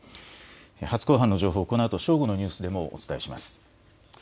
初公判の情報、このあと正午のニュースでもお伝えします。